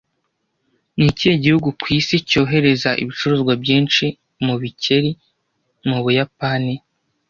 Ni ikihe gihugu ku isi cyohereza ibicuruzwa byinshi mu Bikeri mu Buyapani